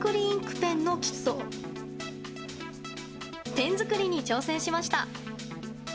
ペン作りに挑戦しました。